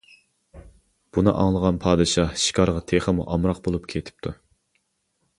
بۇنى ئاڭلىغان پادىشاھ شىكارغا تېخىمۇ ئامراق بولۇپ كېتىپتۇ.